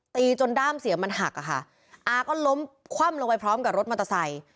ตีจนด้ามเสียมันหักอะค่ะอาก็ล้มคว่ำลงไปพร้อมกับรถมอเตอร์ไซค์